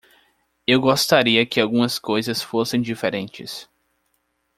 Eu gostaria que algumas coisas fossem diferentes.